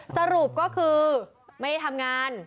สรุปก็คือไม่ได้ทำงาน